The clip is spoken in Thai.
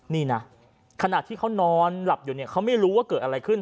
นี่นะขณะที่เขานอนหลับอยู่เนี่ยเขาไม่รู้ว่าเกิดอะไรขึ้น